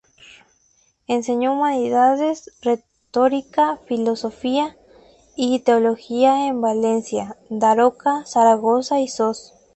Enseñó humanidades, retórica, filosofía y teología en Valencia, Daroca, Zaragoza y Sos.